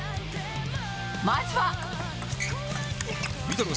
まずは。